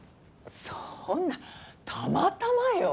そんなたまたまよ？